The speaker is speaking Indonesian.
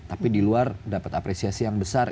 tapi di luar dapat apresiasi yang besar